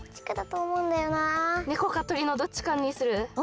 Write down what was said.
ねこかとりのどっちかにする？